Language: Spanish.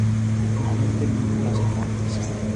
Finalmente vienen las memorias.